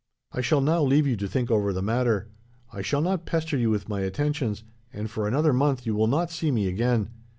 "'I shall now leave you to think over the matter. I shall not pester you with my attentions, and for another month you will not see me again.